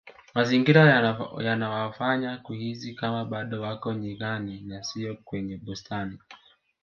mazingira yanawafanya kuhisi Kama bado wako nyikani na siyo kwenye bustani